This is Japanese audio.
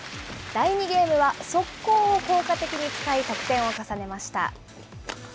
第２ゲームは速攻を効果的に使い、得点を重ねました。